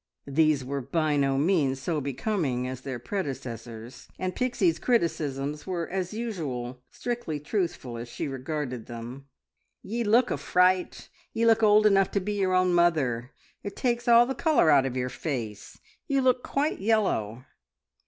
These were by no means so becoming as their predecessors, and Pixie's criticisms were as usual strictly truthful as she regarded them. "Ye look a fright. Ye look old enough to be your own mother. It takes all the colour out of your face. You look quite yellow!"